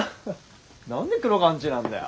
何で黒川んちなんだよ。